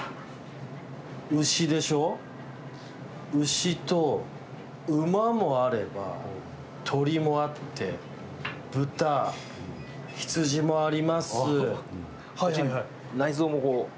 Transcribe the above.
牛と馬もあれば鶏もあって豚、羊もあります。